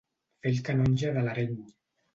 Fer el canonge de l'Areny.